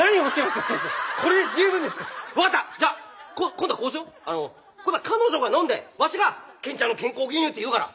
今度は彼女が飲んでわしが「ケンちゃんの健康牛乳」って言うから。